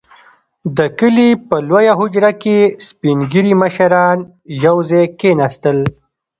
• د کلي په لويه حجره کې سپين ږيري مشران يو ځای کښېناستل.